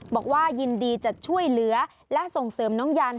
บอกว่ายินดีจะช่วยเหลือและส่งเสริมน้องยัน